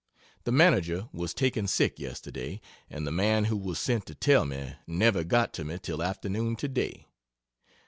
The manager was taken sick yesterday, and the man who was sent to tell me, never got to me till afternoon today.